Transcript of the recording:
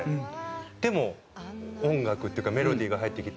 でも音楽っていうかメロディーが入ってきて。